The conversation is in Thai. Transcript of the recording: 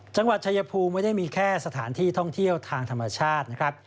จังหวัดชายภูมิไม่ได้มีแค่สถานที่ท่องเที่ยวทางธรรมชาตินะครับ